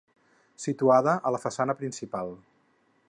Situada a la façana principal.